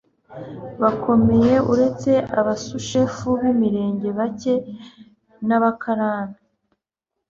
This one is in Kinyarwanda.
bakomeye uretse abasushefu b imirenge bake n abakarani